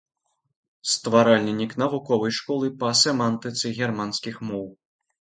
Стваральнік навуковай школы па семантыцы германскіх моў.